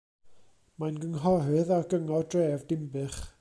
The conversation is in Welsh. Mae'n gynghorydd ar Gyngor Dref Dinbych.